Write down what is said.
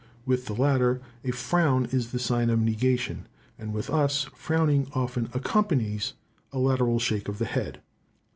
With the latter a frown is the sign of negation, and with us frowning often accompanies a lateral shake of the head.